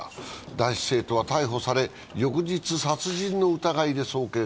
男子生徒は逮捕され、翌日、殺人の疑いで送検。